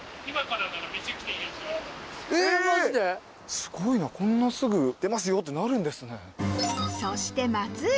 すごいなこんなすぐ「出ますよ」ってなるんですね。